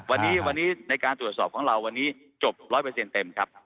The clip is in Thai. วันนี้วันนี้ในการตรวจสอบของเราวันนี้จบร้อยเปอร์เซ็นต์เต็มครับ